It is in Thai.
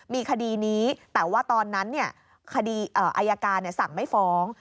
มีคดีนี้แต่ว่าตอนนั้นคดีอายการสั่งไม่ฟ้อง